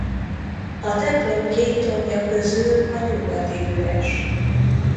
A templom két tornya közül a nyugati üres.